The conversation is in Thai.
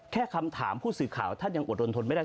แค่คำถามผู้สื่อข่าวท่านยังอดรนทนไม่ได้